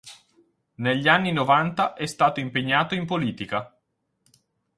Negli anni novanta è stato impegnato in politica.